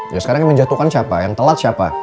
ya sekarang yang menjatuhkan siapa yang telat siapa